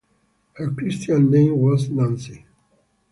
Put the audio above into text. Her Christian name was Nancy.